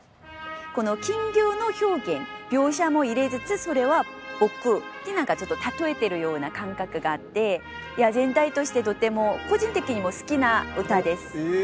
この「金魚」の表現描写も入れつつそれは「僕」に何かちょっと例えてるような感覚があって全体としてとても個人的にも好きな歌です。